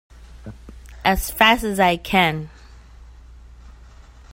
As fast as I can!